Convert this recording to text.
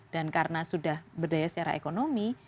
dan karena sudah berdaya secara ekonomi